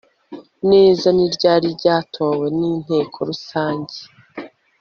neza n iryari ryatowe n inteko rusange